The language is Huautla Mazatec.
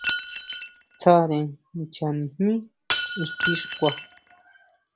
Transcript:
Tsáre ncha nijmí ixti xkua.